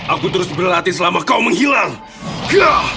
aku terus berlatih selama kau menghilang gila